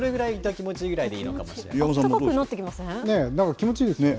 気持ちいいですね。